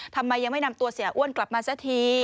ทำไมยังไม่นำตัวเสียอ้วนกลับมาซะที